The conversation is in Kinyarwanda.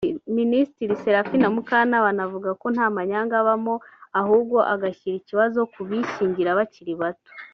Minisitiri Seraphine Mukantabana avuga ko nta manyanga abamo ahubwo agashyira ikibazo ku bishyingira bakiri bato